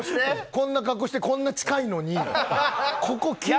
こんな格好してこんな近いのに、ここ緊張する。